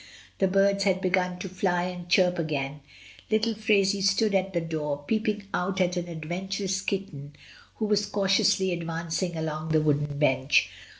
The birds had begun to fly and chirp again; little Phraisie stood at the door peeping out at an adventurous kitten which was cautiously advancing along the wooden bench.